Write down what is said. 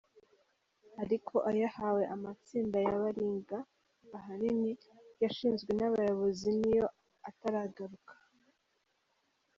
Ariko ayahawe amatsinda ya baringa ahanini yashinzwe n’abayobozi niyo ataragaruka.